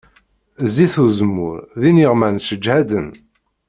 Zzit uzemmur d iniɣman sseǧhaden.